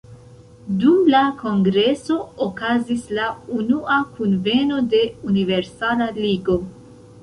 Dum la kongreso okazis la unua kunveno de "Universala Ligo".